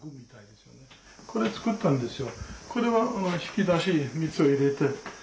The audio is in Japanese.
これ作ったんですよ。